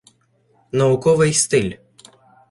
Науковий стиль